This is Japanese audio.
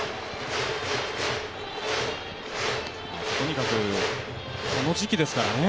とにかくこの時期ですからね。